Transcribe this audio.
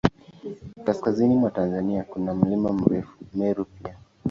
Kaskazini mwa Tanzania, kuna Mlima Meru pia.